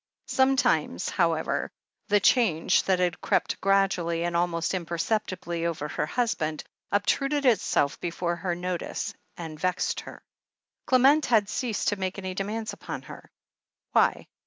Sometimes, however, the change that had crept gradually and almost imperceptibly over her husband, obtruded itself before her notice, and vexed her. Clement had ceased to make any demands upon her. Why